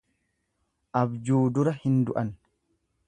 Abjuu dura hin du'an.